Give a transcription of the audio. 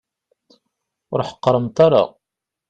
Ur ḥeqqremt ara.